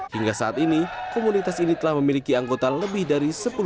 hingga saat ini komunitas ini telah memiliki anggota lebih dari sepuluh orang